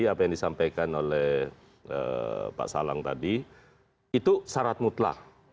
apa yang disampaikan oleh pak salang tadi itu syarat mutlak